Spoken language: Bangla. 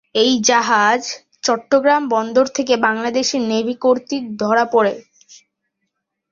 এই জাহাজ চট্টগ্রাম বন্দর থেকে বাংলাদেশি নেভি কর্তৃক ধরা পড়ে।